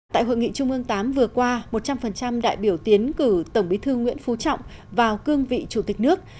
tại hội nghị trung ương viii vừa qua một trăm linh đại biểu tiến cử tổng bí thư nguyễn phú trọng vào cương vị chủ tịch nước